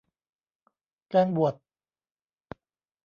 แกงบวด